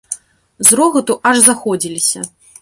З рогату аж заходзіліся.